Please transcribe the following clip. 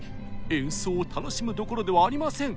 演奏を楽しむどころではありません！